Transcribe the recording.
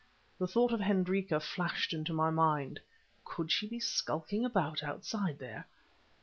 The thought of Hendrika flashed into my mind; could she be skulking about outside there?